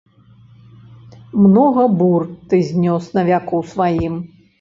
Многа бур ты знёс на вяку сваім!